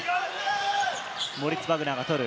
モリッツ・バグナーが通る。